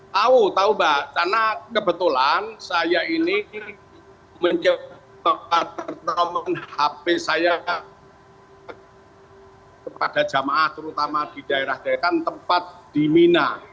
tahu tahu mbak karena kebetulan saya ini mencoba pertemuan hp saya kepada jamaah terutama di daerah daerah tempat di mina